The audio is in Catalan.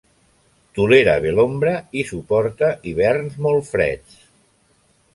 Tolera bé l'ombra i suporta hiverns molt freds.